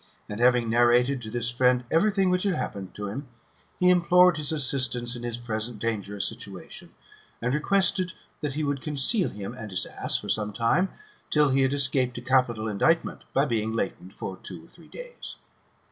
And, having narrated to this friend every thing which had happened to him, he implored his assistance in his present dangerous situation, and requested that he would conceal him and his ass, for some time, till he had escaped a capital indictment, by being iatent tor two or three days.